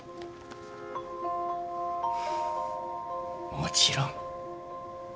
もちろん。